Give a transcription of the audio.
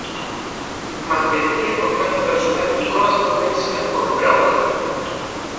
Mantendría contacto personal y correspondencia con Braudel.